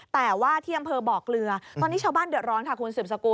แต่ว่าที่อำเภอบ่อเกลือตอนนี้ชาวบ้านเดือดร้อนค่ะคุณสืบสกุล